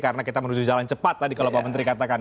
karena kita menuju jalan cepat tadi kalau pak menteri katakan